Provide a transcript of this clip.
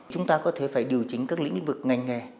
chúng ta có thể phải điều chỉnh các lĩnh vực ngành nghề